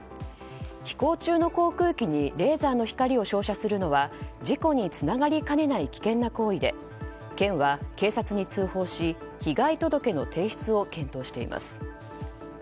飛行中の航空機にレーザーの光を照射するのは事故につながりかねない危険な行為で県は警察に通報し被害届の提出を検討しています。